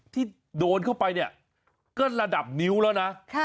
ที่โดนเข้าไปเนี่ยก็ระดับนิ้วแล้วนะ